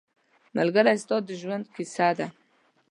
ملګری ستا د ژوند کیسه ده